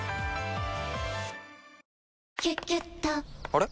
あれ？